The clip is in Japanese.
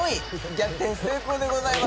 逆転成功でございます。